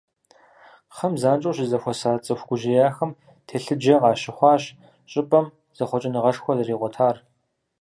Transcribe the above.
Кхъэм занщӏэу щызэхуэса цӏыху гужьеяхэм телъыджэ къащыхъуащ щӏыпӏэм зэхъуэкӏыныгъэшхуэ зэригъуэтар.